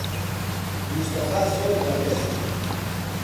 موستەفا زۆر بەڕێز بوو.